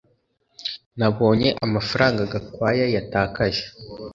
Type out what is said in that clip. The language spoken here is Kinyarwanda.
Nabonye amafaranga Gakwaya yatakaje